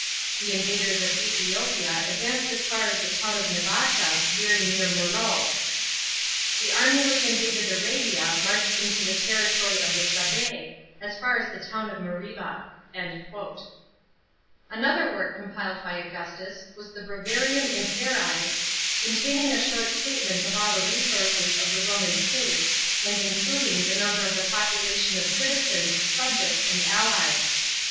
The invaders of Ethiopia advanced as far as the town of Kabata, very near Meroe. The army which invaded Arabia marched into tha territory of the Sabasi, as far as the town of Mariba," Another work compiled by Augustus was the JSremarium Imperii, 140 WINNING AND LOSING OF GERMANY. CHAP. ix. containing a short statement of all the resources of the Romaii State, and including the number of the population of citizens, subjects, and allies.